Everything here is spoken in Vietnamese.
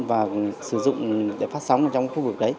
và sử dụng để phát sóng trong khu vực đấy